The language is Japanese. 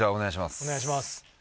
お願いします。